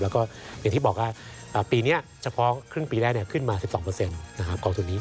แล้วก็อย่างที่บอกว่าปีนี้เฉพาะครึ่งปีแรกขึ้นมา๑๒กองทุนนี้